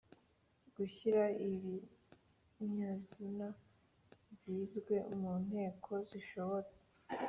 Gushyira ibinyazina byizwe mu nteko Zishobotse